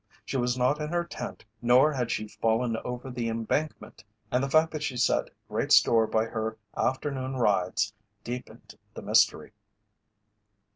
She was not in her tent, nor had she fallen over the embankment, and the fact that she set great store by her afternoon rides deepened the mystery.